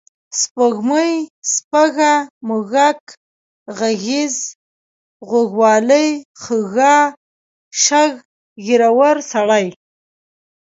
سپوږمۍ، سپږه، موږک، غږیز، غوږ والۍ، خَږا، شَږ، ږېرور سړی